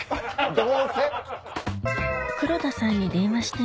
「どうせ」！